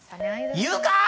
言うかぁ！！